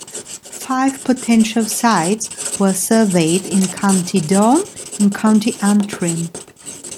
Five potential sites were surveyed in County Down, and County Antrim.